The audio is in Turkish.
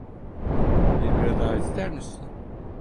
Bir bira daha ister misin?